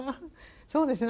そうですね